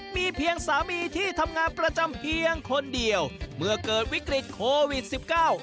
มีเพียงสามีที่ทำงานประจำเพียงคนเดียวเมื่อเกิดวิกฤตโควิดสิบเก้า